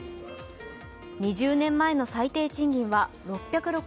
２０年前の最低賃金は６６３円。